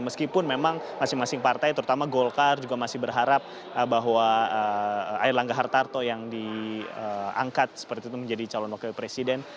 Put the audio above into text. meskipun memang masing masing partai terutama golkar juga masih berharap bahwa erlangga hartarto yang diangkat seperti itu menjadi calon wakil presiden